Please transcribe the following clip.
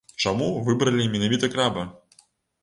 Чаму выбралі менавіта краба?